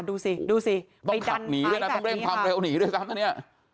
ดูสิดูสิต้องขับหนีด้วยนะต้องเร่งความเร็วหนีด้วยซ้ำนะเนี่ย